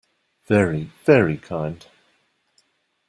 Very, very kind.